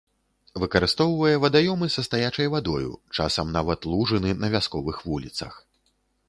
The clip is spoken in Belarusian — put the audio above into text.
Выкарыстоўвае вадаёмы са стаячай вадою, часам нават лужыны на вясковых вуліцах.